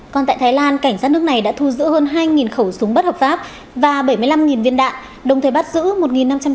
còn tại thái lan cảnh sát nước này đã thu giữ hơn hai khẩu súng bất hợp pháp và bảy mươi năm viên đạn đồng thời bắt giữ một năm trăm chín mươi ba nghi phạm